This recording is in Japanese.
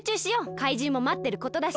かいじんもまってることだし。